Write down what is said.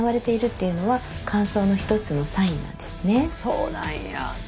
そうなんや。